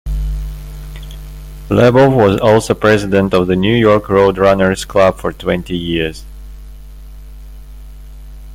Lebow was also president of the New York Road Runners Club for twenty years.